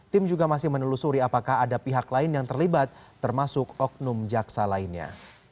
tim juga masih menelusuri apakah ada pihak lain yang terlibat termasuk oknum jaksa lainnya